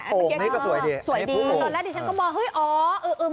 อันนี้ก็สวยดีอันนี้พลุโอ่ง